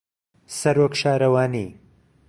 سەرۆک شارەوانی